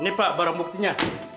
ini pak baru buktinya